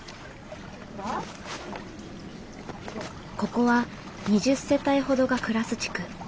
ここは２０世帯ほどが暮らす地区。